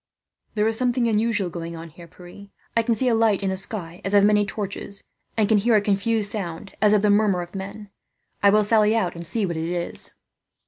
"There is something unusual going on, Pierre. I can see a light in the sky, as of many torches; and can hear a confused sound, as of the murmur of men. I will sally out and see what it is."